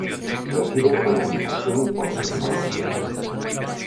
Recibe penalización por tecnología.